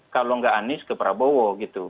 kalau nggak anis ke prabowo